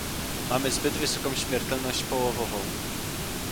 Mamy zbyt wysoką śmiertelność połowową